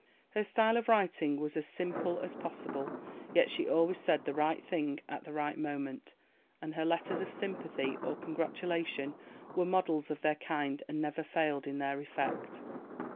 Her style of writing was as simple as possible, yet she always said the right thing at the right moment, and her letters of sympathy or congratulation were models of their kind and never failed in their effect.